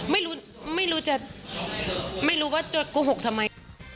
ไม่รู้ไม่รู้จะไม่รู้ว่าจะโกหกทำไม